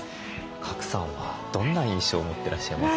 賀来さんはどんな印象を持ってらっしゃいます？